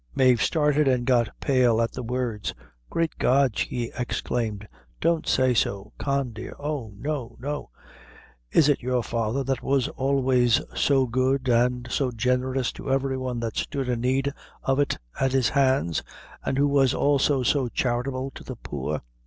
Mave started and got pale at the words. "Great God!" she exclaimed, "don't say so, Con dear. Oh, no, no is it your father that was always so good, an' so generous to every one that stood in need of it at his hands, an' who was also so charitable to the poor?"